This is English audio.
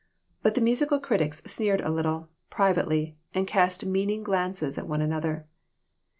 But the musical critics sneered a little, privately, and cast meaning glances at one another.